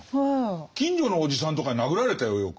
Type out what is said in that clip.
近所のおじさんとかに殴られたよよく。